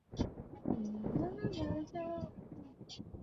Waingereza na Waafrika pamoja na Kings